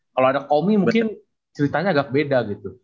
kalau ada komi mungkin ceritanya agak beda gitu